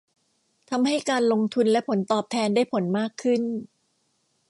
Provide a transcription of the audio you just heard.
ทำให้การลงทุนและผลตอบแทนได้ผลมากขึ้น